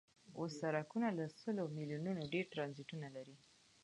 اوس سرکټونه له سلو میلیونو ډیر ټرانزیسټرونه لري.